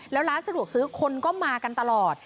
แล้วร้านสะดวกซื้อคนก็มากันตลอด